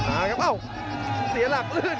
อ้าวเสียหลักอื้น